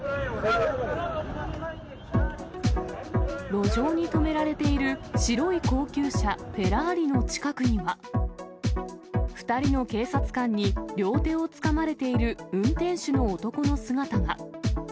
路上に止められている白い高級車、フェラーリの近くには、２人の警察官に両手をつかまれている運転手の男の姿が。